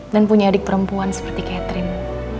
dan punya adik perempuan seperti catherine